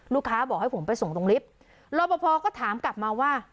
ลูกค้าบอกให้ผมไปส่งตรงลิฟต์รอปภก็ถามกลับมาว่า